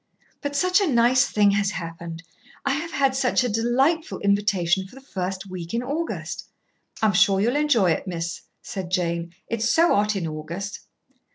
But such a nice thing has happened. I have had such a delightful invitation for the first week in August." "I'm sure you'll enjoy it, miss," said Jane. "It's so hot in August."